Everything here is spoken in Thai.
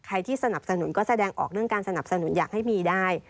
ที่สนับสนุนก็แสดงออกเรื่องการสนับสนุนอยากให้มีได้